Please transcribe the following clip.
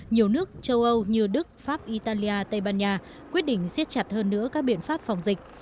nhiều nước châu âu như đức pháp italia tây ban nha quyết định xét chặt hơn nữa các biện pháp phòng dịch